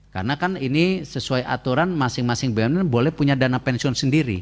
karena kan ini sesuai aturan masing masing bumn boleh punya dana pensiun